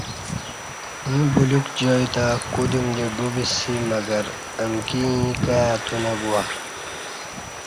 ییں بلیوک جائی تہ کودیوم دی ڈو بسی مگر امکی ایں کائی اتو نہ گواہ